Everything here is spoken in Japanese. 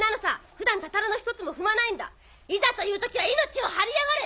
普段タタラのひとつも踏まないんだいざという時は命を張りやがれ！